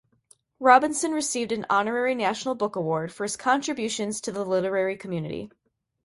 Robinson received an honorary National Book Award for his contributions to the literary community.